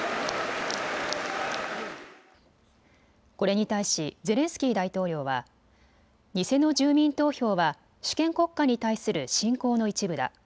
これに対しゼレンスキー大統領は、偽の住民投票は主権国家に対する侵攻の一部だ。